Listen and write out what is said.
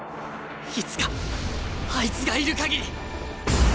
いつかあいつがいる限り！